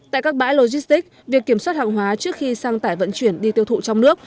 tại các bãi logistic việc kiểm soát hàng hóa trước khi sang tải vận chuyển đi tiêu thụ trong nước